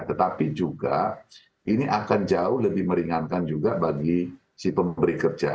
tetapi juga ini akan jauh lebih meringankan juga bagi si pemberi kerja